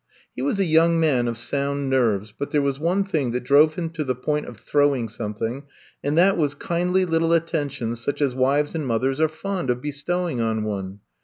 He was a young man of sound nerves, but there was one thing that drove him to the point of throwing something, and that was kindly little attentions such as wives and mothers are fond of bestowing on one.